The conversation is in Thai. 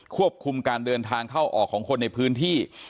ควบคุมการเดินทางเข้าออกของคนในพื้นที่